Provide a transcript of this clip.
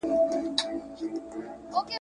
پر وزر یمه ویشتلی آشیانې چي هېر مي نه کې ,